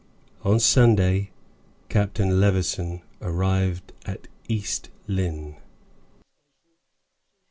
On Sunday Captain Levison arrived at East Lynne.